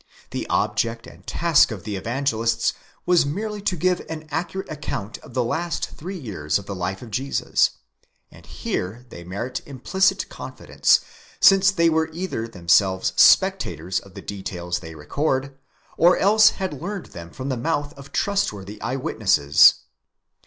The object and task of the Evangelists was merely to give an accurate account of the three last years of the life of Jesus ; and here they merit implicit confidence, since they were either themselves spectators of the details they record, or else had learned them from the mouth of trustworthy eye witnesses.